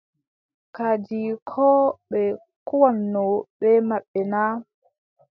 Kadi koo ɓe kuwanno bee maɓɓe na ?